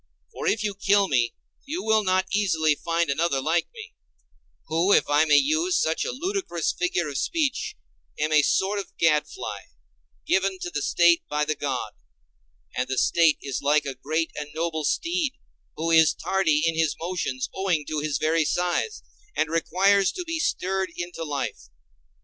For if you kill me you will not easily find another like me, who, if I may use such a ludicrous figure of speech, am a sort of gadfly, given to the State by the God; and the State is like a great and noble steed who is tardy in his motions owing to his very size, and requires to be stirred into life.